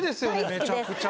めちゃくちゃ。